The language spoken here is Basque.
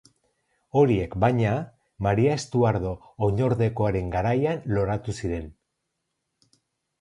Horiek, baina, Maria Estuardo oinordekoaren garaian loratu ziren.